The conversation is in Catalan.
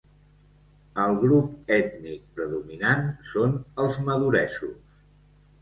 El grup ètnic predominant són els maduresos.